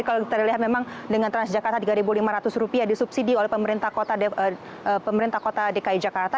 kalau kita lihat memang dengan transjakarta rp tiga lima ratus disubsidi oleh pemerintah kota dki jakarta